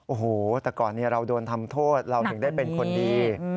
โอ้โหแต่ก่อนเราโดนทำโทษเราถึงได้เป็นคนดี